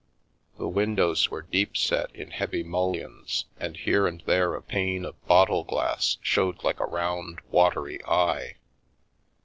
The windows were deep set in heavy mullions, and here and there a pane of bottle glass showed like a round, watery eye.